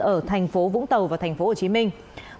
ở thành phố vũng tàu và thành phố hồ chí minh